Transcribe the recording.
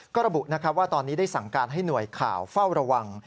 ก็ระบุว่าตอนนี้ได้สั่งการให้หน่วยข่าวเฝ้าระวัง